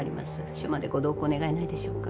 署までご同行願えないでしょうか？